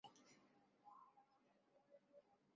কোনটাই দূর্ঘটনা নয়!